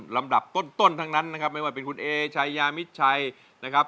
ลำดับต้นทั้งนั้นนะครับไม่ว่าเป็นคุณเอชายามิดชัยนะครับ